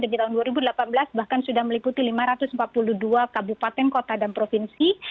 di tahun dua ribu delapan belas bahkan sudah meliputi lima ratus empat puluh dua kabupaten kota dan provinsi